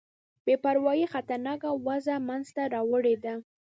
بې پروايي خطرناکه وضع منځته راوړې ده.